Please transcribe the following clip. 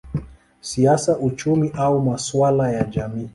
siasa, uchumi au masuala ya jamii.